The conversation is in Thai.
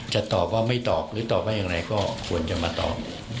จะตอบว่าไม่ตอบหรือตอบว่าอย่างไรก็ควรจะมาตอบ